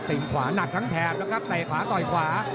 เตรียมขวานักทั้งแถบนะครับแต่ขวาต่อยขวา